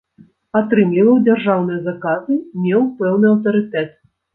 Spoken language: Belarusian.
Атрымліваў дзяржаўныя заказы, меў пэўны аўтарытэт.